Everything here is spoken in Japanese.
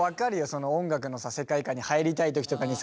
その音楽の世界観に入りたい時とかにさ